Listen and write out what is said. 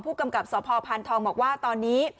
กำกับสพพานทองบอกว่าตอนนี้